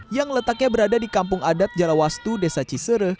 yang letaknya berada di kampung adat jalawastu desa ciseruh